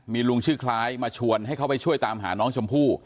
มีลุงชื่อคล้ายมาชวนให้เขาไปช่วยตามหาน้องชมพู่